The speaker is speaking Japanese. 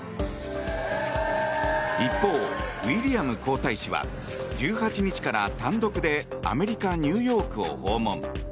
一方、ウィリアム皇太子は１８日から単独でアメリカ・ニューヨークを訪問。